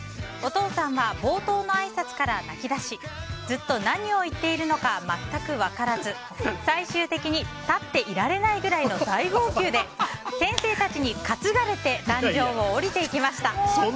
お父さんは冒頭のあいさつから泣き出しずっと何を言っているのか全く分からず最終的に立っていられないぐらいの大号泣で先生たちに担がれて壇上を降りていきました。